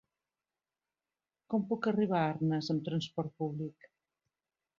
Com puc arribar a Arnes amb trasport públic?